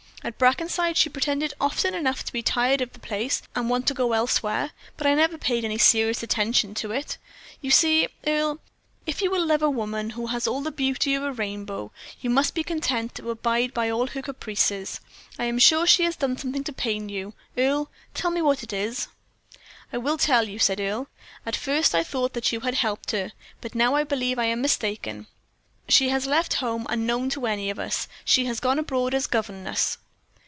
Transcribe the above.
At Brackenside she pretended often enough to be tired of the place, and to want to go elsewhere, but I never paid any serious attention to it. You see, Earle, if you will love a woman who has all the beauty of the rainbow, you must be content to abide by all her caprices. I am sure she has done something to pain you, Earle tell me what it is?" "I will tell you," said Earle. "At first I thought that you had helped her, but now I believe I am mistaken. She has left home unknown to any of us. She has gone abroad as governess."